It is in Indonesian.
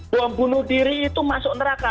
bom bunuh diri itu masuk neraka